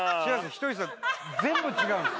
ひとりさん全部違うんです